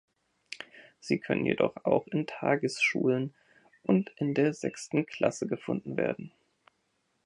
Sie können jedoch auch in Tagesschulen und in der sechsten Klasse gefunden werden.